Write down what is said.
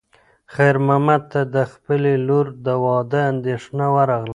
خیر محمد ته د خپلې لور د واده اندېښنه ورغله.